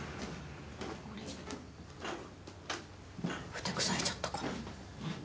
ふてくされちゃったかな？